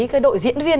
cái đội diễn viên